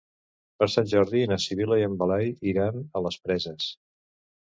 Per Sant Jordi na Sibil·la i en Blai iran a les Preses.